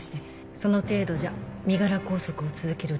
その程度じゃ身柄拘束を続ける理由にならない。